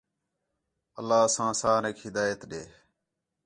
اللہ اساں سارینک ہدایت ݙے